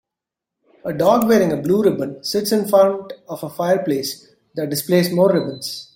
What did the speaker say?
A dog wearing a blue ribbon sits in front of a fireplace that displays more ribbons.